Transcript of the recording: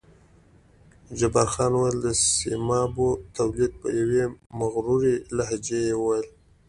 جبار خان وویل: د سیمابو تولید، په یوې مغرورې لهجې یې وویل.